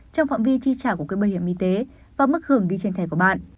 trong phạm vi chi trả của quỹ bảo hiểm y tế và mức hưởng đi trên thẻ của bạn